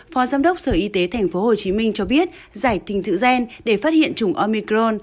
phó giám đốc sở y tế tp hcm cho biết giải trình thự gen để phát hiện chủng omicron